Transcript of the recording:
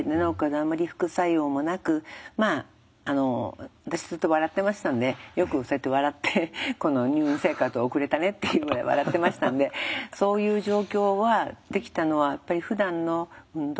あんまり副作用もなくまああの私ずっと笑ってましたんでよくそうやって笑ってこの入院生活送れたねっていうぐらい笑ってましたんでそういう状況はできたのはやっぱりふだんの運動